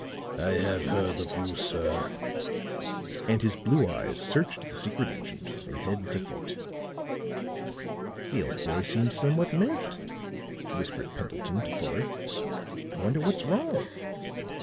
"I have heard of you, sir," and his blue eyes searched the secret agent from head to foot. "The old boy seems somewhat miffed," whispered Pendleton to Fuller; "I wonder what's wrong?"